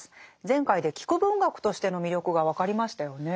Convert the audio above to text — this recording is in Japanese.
前回で聞く文学としての魅力が分かりましたよね。